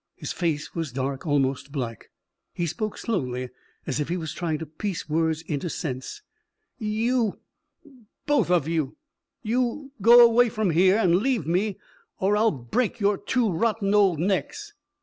His face was dark, almost black. He spoke slowly, as if he was trying to piece words into sense. "You both of you you go away from here and leave me or I'll break your two rotten old necks."